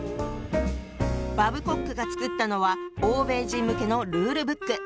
バブコックが作ったのは欧米人向けのルールブック。